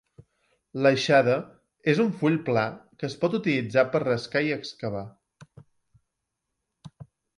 L'aixada és un full pla que es pot utilitzar per rascar i excavar.